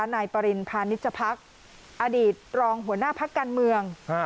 นายปริณพานิจพักษ์อดีตรองหัวหน้าพักการเมือง